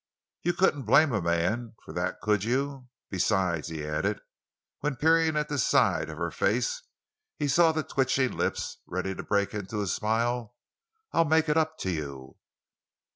You couldn't blame a man for that—could you? Besides," he added, when peering at the side of her face, he saw the twitching lips, ready to break into a smile, "I'll make it up to you!"